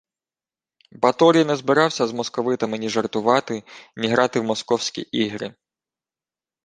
Баторій не збирався з московитами ні жартувати, ні грати в «московські ігри»